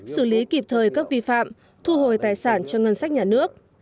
xử lý kịp thời các vi phạm thu hồi tài sản cho ngân sách nhà nước